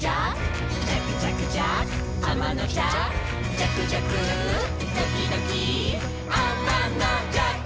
「じゃくじゃくドキドキあまのじゃく」